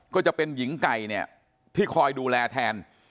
ก็จะเป็นหญิงไก่เนี่ยที่คอยดูแลแทน